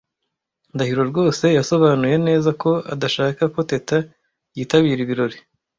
Ndahiro rwose yasobanuye neza ko adashaka ko Teta yitabira ibirori.